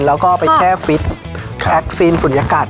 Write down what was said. แล้วก็ไปแช่ฟิตแอคซีนฝุ่นยากาศ